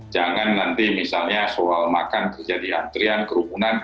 jangan nanti misalnya soal makan terjadi antrian kerumunan